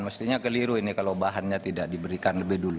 mestinya keliru ini kalau bahannya tidak diberikan lebih dulu